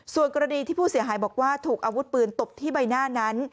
ส่วนกรณีที่ผู้เสียหายบอกว่าถูกอาวุธปืนตบที่ใบหน้านั้น